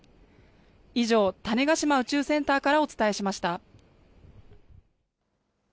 以上、種子島宇宙センターからお伝えしました。